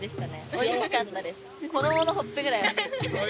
おいしかったです。